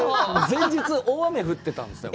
前日、大雨降ってたんですよ。